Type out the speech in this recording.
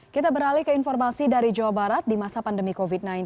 kita beralih ke informasi dari jawa barat di masa pandemi covid sembilan belas